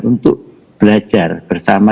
untuk belajar bersama